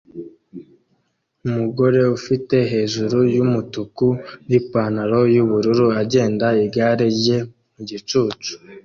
Umugore ufite hejuru yumutuku nipantaro yubururu agenda igare rye mu gicucu